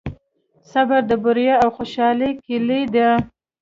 صبر د بریا او خوشحالۍ کیلي ده.